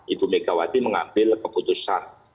ibu megawati mengambil keputusan